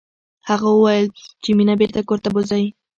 هغې وویل چې مينه بېرته کور ته بوزئ